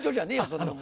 そんなもの。